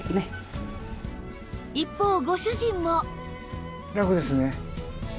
一方ご主人も